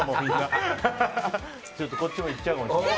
ちょっとこっちも行っちゃうかもしれない。